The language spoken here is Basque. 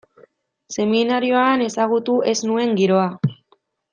Seminarioan ezagutu ez nuen giroa.